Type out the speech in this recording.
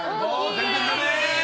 全然ダメ！